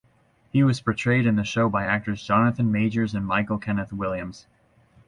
He was portrayed in the show by actors Jonathan Majors and Michael Kenneth Williams.